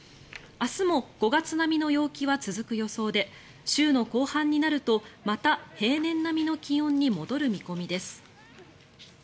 明日も５月並みの陽気は続く予想で週の後半になるとまた平年並みの気温に戻る見込みです。